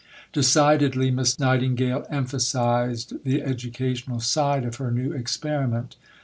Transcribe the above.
Decidedly Miss Nightingale emphasized the educational side of her new experiment.